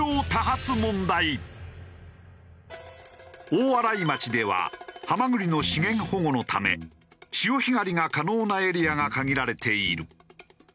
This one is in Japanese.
大洗町ではハマグリの資源保護のため潮干狩りが可能なエリアが限られている。